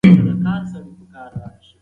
دا نظر په فیسبوک کې شریک شو.